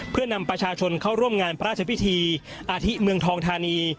เพื่อนำประชาชนเข้าร่วมงานพระราชพิธีอาทิเมืองทองธานี